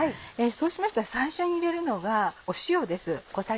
そうしましたら最初に入れるのが塩です。